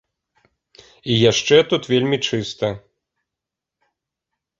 І яшчэ тут вельмі чыста.